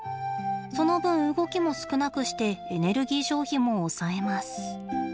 その分動きも少なくしてエネルギー消費も抑えます。